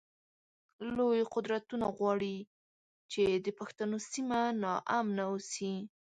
لوی قدرتونه غواړی چی د پښتنو سیمه ناامنه اوسی